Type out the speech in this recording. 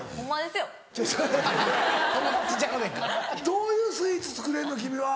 どういうスイーツ作れんの君は。